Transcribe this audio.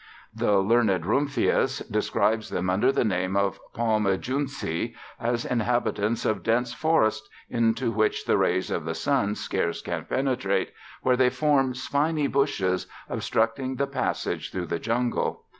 The learned Rumphius describes them, under the name of Palmijunci, as inhabitants of dense forests into which the rays of the sun scarce can penetrate, where they form spiny bushes, obstructing the passage through the jungle.